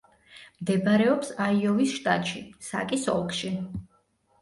მდებარეობს აიოვის შტატში, საკის ოლქში.